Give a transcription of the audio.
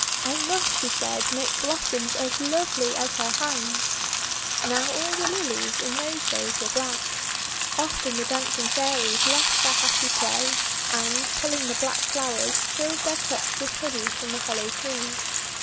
'I must," she said, <;<make blossoms as lovely as her hands." Now all the Lilies, in those days, were black. Often the dancing Fairies left their happy play, and, pulling the black flowers, filled their cups with honey from the hollow trees.